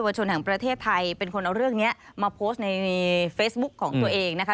ชนแห่งประเทศไทยเป็นคนเอาเรื่องนี้มาโพสต์ในเฟซบุ๊คของตัวเองนะคะ